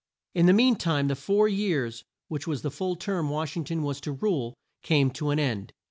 In the mean time the four years which was the full term Wash ing ton was to rule came to an end.